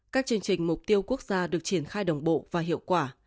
các chương trình mục tiêu quốc gia được triển khai đồng bộ và hiệu quả